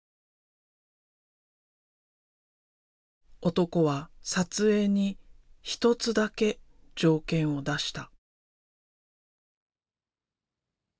男は撮影に一つだけ条件を出した。